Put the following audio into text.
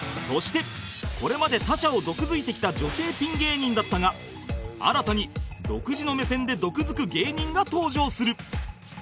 そしてこれまで他者を毒づいてきた女性ピン芸人だったが新たに独自の目線で毒づく芸人が登場する